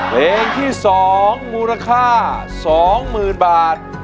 เพลงที่สองมูลค่าสองหมื่นบาท